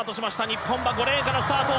日本は５レーンからスタート。